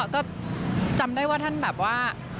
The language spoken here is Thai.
ก็จำได้ว่าท่านแบบว่า